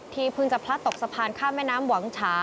เพิ่งจะพลัดตกสะพานข้ามแม่น้ำหวังฉา